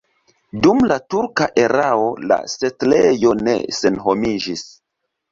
Dum la turka erao la setlejo ne senhomiĝis.